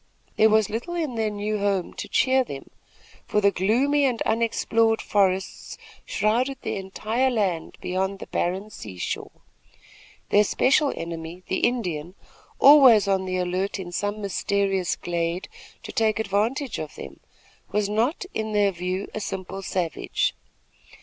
There was little in their new home to cheer them; for the gloomy and unexplored forests shrouded the entire land beyond the barren seashore. Their special enemy, the Indian, always on the alert in some mysterious glade to take advantage of them, was not, in their view, a simple savage.